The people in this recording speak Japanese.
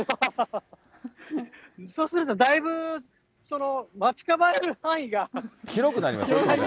そうするとだいぶ、待ち構える範囲が広くなりますね。